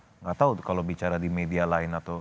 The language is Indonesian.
tidak tahu kalau bicara di media lain atau